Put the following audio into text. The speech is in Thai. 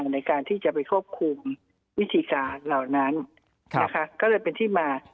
ในการที่จะไปควบคุมวิธีการเหล่านั้นนะคะก็เลยเป็นที่มา